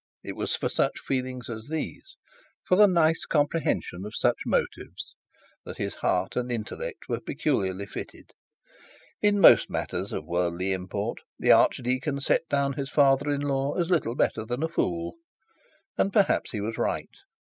It was for such feelings as these, for the nice comprehension of such motives, that his heart and intellect were peculiarly fitted. In most matters of worldly import the archdeacon set down his father in law as little better than a fool. And perhaps he was right.